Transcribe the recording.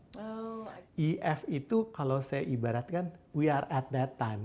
if itu kalau saya ibaratkan we are at that time